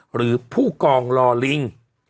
หรือผู้กองลอลิง